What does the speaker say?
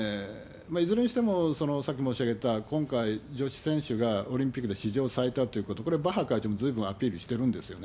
いずれにしても、さっきも申し上げた、今回、女子選手がオリンピックで史上さいたということわたくし、これ、バッハ会長もずいぶんアピールしてるんですよね。